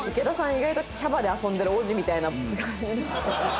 意外とキャバで遊んでるおじみたいな感じ。